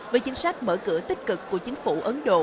với chính sách mở cửa tích cực của chính phủ ấn độ